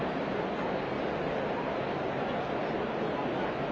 はい。